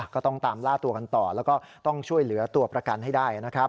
ก็ต้องตามล่าตัวกันต่อแล้วก็ต้องช่วยเหลือตัวประกันให้ได้นะครับ